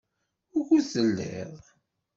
Wukud telliḍ?